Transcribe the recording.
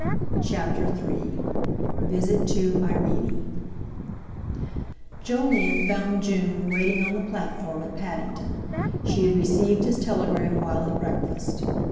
CHAPTER III VISIT TO IRENE Jolyon found June waiting on the platform at Paddington. She had received his telegram while at breakfast.